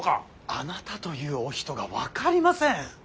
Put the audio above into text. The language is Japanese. あなたというお人が分かりません。